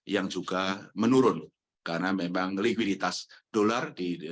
yang juga menurun karena memang likuiditas dolar